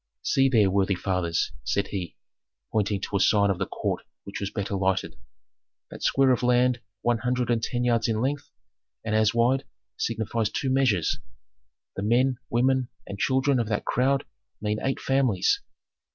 "See there, worthy fathers," said he, pointing to a part of the court which was better lighted. "That square of land one hundred and ten yards in length and as wide signifies two measures; the men, women, and children of that crowd mean eight families.